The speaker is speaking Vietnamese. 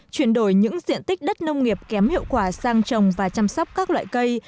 chuyển đổi những diện tích đất nông nghiệp kém hiệu quả sang trồng và chăm sóc các loại cây